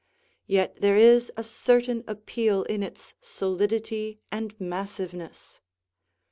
Yet there is a certain appeal in its solidity and massiveness.